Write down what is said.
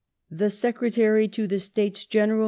The Secretary to the States General, M.